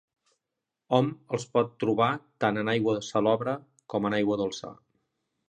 Hom els pot trobar tant en aigua salobre com en aigua dolça.